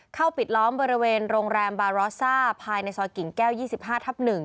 ปิดล้อมบริเวณโรงแรมบารอซ่าภายในซอยกิ่งแก้ว๒๕ทับ๑